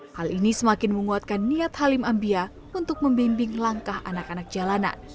hal ini semakin menguatkan niat halim ambia untuk membimbing langkah anak anak jalanan